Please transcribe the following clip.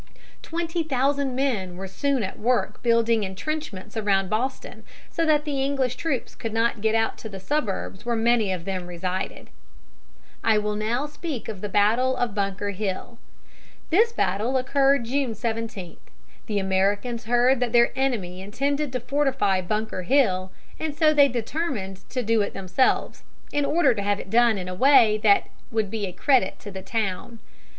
Twenty thousand men were soon at work building intrenchments around Boston, so that the English troops could not get out to the suburbs where many of them resided. [Illustration: GENERAL PUTNAM LEAVING A PAIR OF TIRED STEERS.] I will now speak of the battle of Bunker Hill. This battle occurred June 17. The Americans heard that their enemy intended to fortify Bunker Hill, and so they determined to do it themselves, in order to have it done in a way that would be a credit to the town.